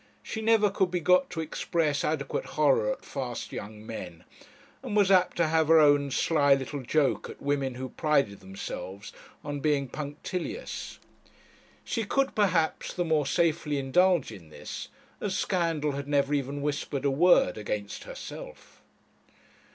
She never could be got to express adequate horror at fast young men, and was apt to have her own sly little joke at women who prided themselves on being punctilious. She could, perhaps, the more safely indulge in this, as scandal had never even whispered a word against herself.